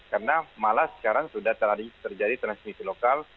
karena malah sekarang sudah terjadi transmisi lokal